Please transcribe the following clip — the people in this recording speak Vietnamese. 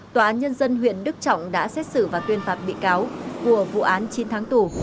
tòa án nhân dân huyện đức trọng đã xét xử và tuyên phạt bị cáo của vụ án chín tháng tù